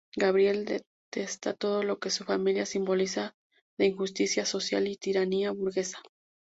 Gabriel detesta todo lo que su familia simboliza de injusticia social y tiranía burguesa.